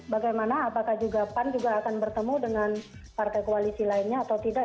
bagaimana apakah juga pan juga akan bertemu dengan partai koalisi lainnya atau tidak